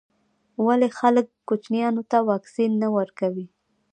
ولي خلګ کوچنیانو ته واکسین نه ورکوي.